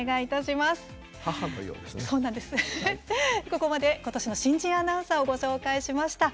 ここまでことしの新人アナウンサーをご紹介しました。